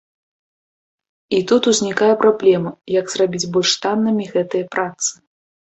І тут ўзнікае праблема, як зрабіць больш таннымі гэтыя працы.